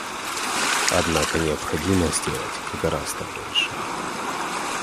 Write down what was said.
Однако необходимо сделать гораздо большее.